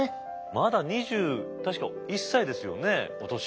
まだ確か２１歳ですよねお年。